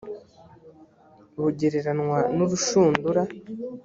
bugereranywa n urushundura